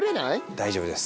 大丈夫です。